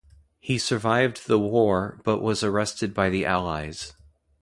He survived the war, but was arrested by the Allies.